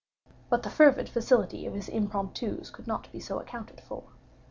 But the fervid facility of his impromptus could not be so accounted for.